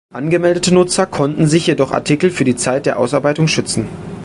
Angemeldete Nutzer konnten sich jedoch Artikel für die Zeit der Ausarbeitung schützen.